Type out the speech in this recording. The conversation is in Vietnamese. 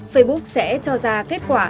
facebook sẽ cho ra kết quả